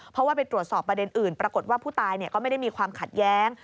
เพราะว่าไปตรวจสอบประเด็นอื่นปรากฏว่าผู้ตายก็ไม่ได้มีความขัดแย้ง